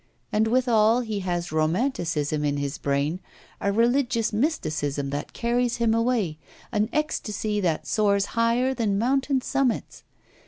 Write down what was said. And withal he has romanticism in his brain, a religious mysticism that carries him away, an ecstasy that soars higher than mountain summits.